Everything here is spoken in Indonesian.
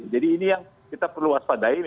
jadi ini yang kita perlu waspadai